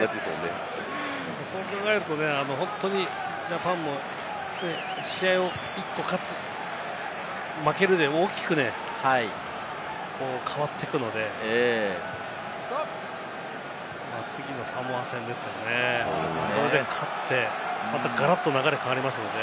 そう考えると本当にジャパンも１つ勝つ、負けるで、大きく変わってくるので、次のサモア戦ですね、そこで勝って、またガラッと流れ変わりますんで。